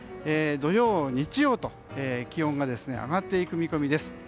土曜、日曜と気温が上がっていく見込みです。